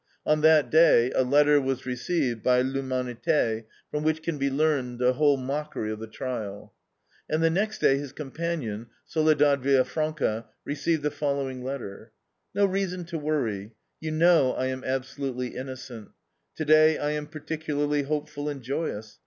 On that day a letter was received by L'HUMANITE, from which can be learned the whole mockery of the trial. And the next day his companion, Soledad Villafranca, received the following letter: "No reason to worry; you know I am absolutely innocent. Today I am particularly hopeful and joyous.